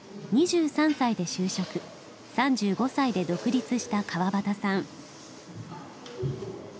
２３歳で就職３５歳で独立した川端さん。